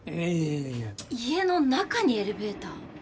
いやいや家の中にエレベーター？